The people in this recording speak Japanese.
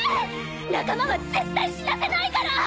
仲間は絶対死なせないから！